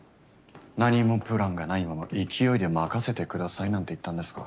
何もプランがないまま勢いで任せてくださいなんて言ったんですか？